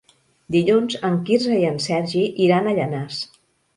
Dilluns en Quirze i en Sergi iran a Llanars.